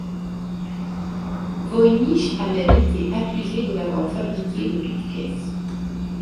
Voynich a même été accusé de l'avoir fabriqué de toutes pièces.